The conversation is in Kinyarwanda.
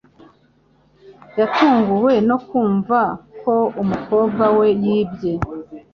Yatunguwe no kumva ko umukobwa we yibye